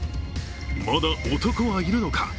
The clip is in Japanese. まだ男はいるのか？